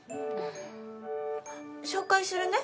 紹介するね。